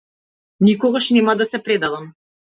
Никогаш нема да се предадам.